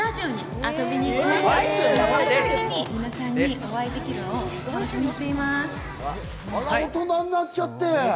あら、大人になっちゃって。